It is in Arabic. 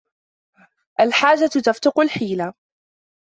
الحاجة تفتق الحيلة